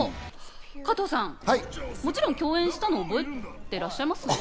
加藤さん、もちろん共演したのは覚えてらっしゃいますよね？